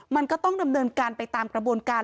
มันก็ต้องดำเนินการไปตามกระบวนการ